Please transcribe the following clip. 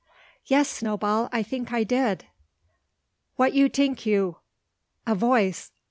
"Yes, Snowball: I think I did." "What you tink you?" "A voice."